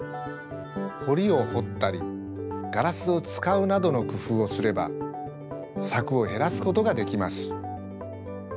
ほりをほったりガラスをつかうなどのくふうをすればさくをへらすことができます。